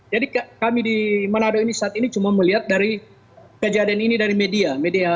jadi kami di manado saat ini cuma melihat dari kejadian ini dari media